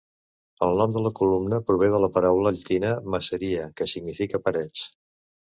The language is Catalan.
El nom de la comuna prové de la paraula llatina "maceria", que significa parets.